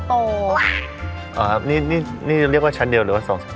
อ๋อครับนี่เรียกว่าชั้นเดียวหรือว่า๒๓